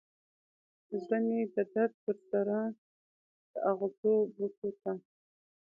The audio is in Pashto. زړه مې د درد پر سارا د اغزو بوټو ته